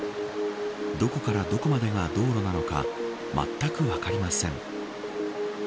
どこからどこまでが道路なのかまったく分かりません。